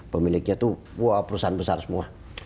pemiliknya itu wah perusahaan besar semua